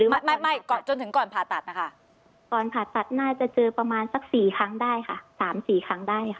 ไม่จนถึงก่อนผ่าตัดมั้ยคะ